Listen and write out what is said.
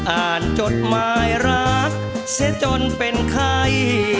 อ่านจดหมายรักเสร็จจนเป็นใคร